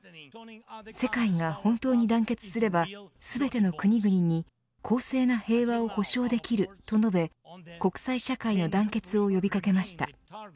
世界が本当に団結すれば全ての国々に公正な平和を保障できると述べ国際社会の団結を呼び掛けました。